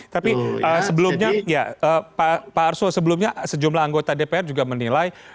tapi sebelumnya ya pak arso sebelumnya sejumlah anggota dpr juga menilai